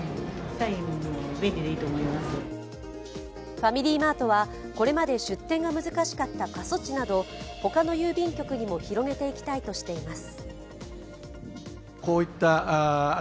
ファミリーマートはこれまで出店が難しかった過疎地など他の郵便局にも広げていきたいとしています。